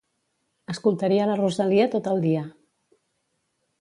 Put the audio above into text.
Escoltaria la Rosalía tot el dia.